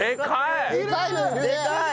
でかい！